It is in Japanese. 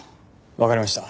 わかりました。